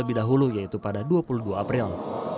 lebih dahulu yaitu pada dua puluh dua april